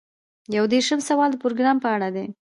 یو دېرشم سوال د پروګرام په اړه دی.